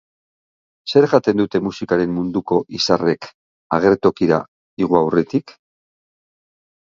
Zer jaten dute musikaren munduko izarrek agertokira igo aurretik?